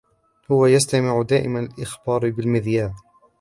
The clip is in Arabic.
هو يستمع دائما للأخبار بالمذياع.